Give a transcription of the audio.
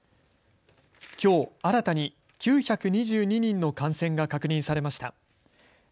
きょう、新たに９２２人の感染が確認されました。